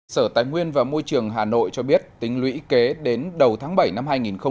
sở tài nguyên và môi trường hà nội cho biết tính lũy kế đến đầu tháng bảy năm hai nghìn hai mươi